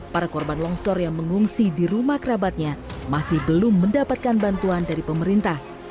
para korban longsor yang mengungsi di rumah kerabatnya masih belum mendapatkan bantuan dari pemerintah